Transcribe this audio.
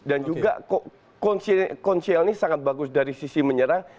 dan juga consiel ini sangat bagus dari sisi menyerang